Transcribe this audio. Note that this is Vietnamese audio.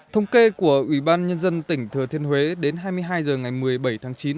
thống kê của ủy ban nhân dân tỉnh thừa thiên huế đến hai mươi hai h ngày một mươi bảy tháng chín